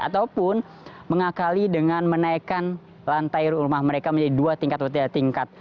ataupun mengakali dengan menaikkan lantai rumah mereka menjadi dua tingkat atau tiga tingkat